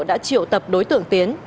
đã triệu tập đối tượng tiến